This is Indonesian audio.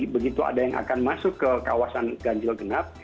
begitu ada yang akan masuk ke kawasan ganjil genap